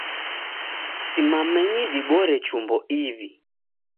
Simamenyi dibore chumbo iw'i